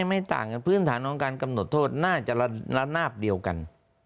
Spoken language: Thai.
ไม่ต่างกันพื้นฐานของการกำหนดโทษน่าจะระนาบเดียวกัน